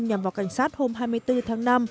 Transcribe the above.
nhằm vào cảnh sát hôm hai mươi bốn tháng năm